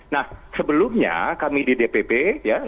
nah sebelumnya kami di dpp ya